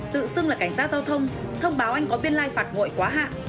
cảnh sát giao thông thông báo anh có biên lai phạt nguội quá hạn